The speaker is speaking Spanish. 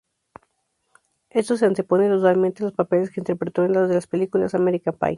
Esto se antepone totalmente a los papeles que interpretó en las películas American Pie.